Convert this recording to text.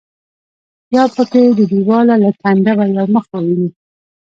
یو پکې د دیواله له کنډوه یو مخ وویني.